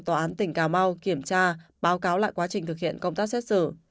tòa án tỉnh cà mau kiểm tra báo cáo lại quá trình thực hiện công tác xét xử